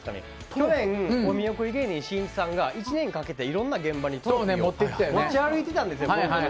去年お見送り芸人しんいちさんが１年かけていろんな現場にトロフィーを持ち歩いてたんですよ。